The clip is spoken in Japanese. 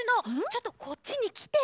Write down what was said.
ちょっとこっちにきて！